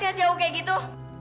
nggak sih aku kayak gitu